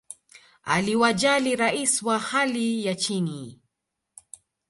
aliwajali rais wa hali ya chini